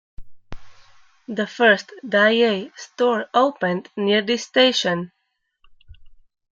The first Daiei store opened near this station.